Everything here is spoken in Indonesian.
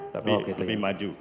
tapi lebih maju